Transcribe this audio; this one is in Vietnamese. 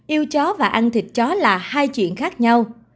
yêu chó và ăn thịt chó là hai chuyện khác nhau